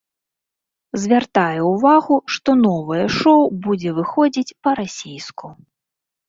Звяртае ўвагу, што новае шоу будзе выходзіць па-расейску.